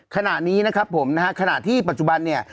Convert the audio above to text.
ขณะนี้นะครับผมนะฮะขณะที่ปัจจุบันเนี่ย